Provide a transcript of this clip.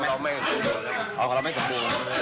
อ๋อไม่ก็ไม่เจ็บดี